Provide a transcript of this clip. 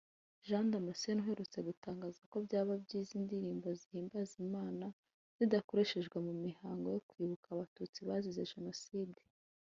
Jean Damascene uherutse gutangaza ko byaba byiza indirimbo zihimbaza Imana zidakoreshejwe mu mihango yo kwibuka abatutsi bazize Jenoside